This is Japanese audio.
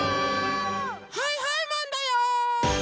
はいはいマンだよー！